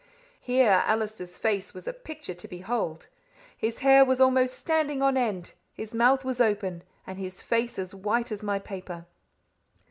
Here Allister's face was a picture to behold! His hair was almost standing on end, his mouth was open, and his face as white as my paper.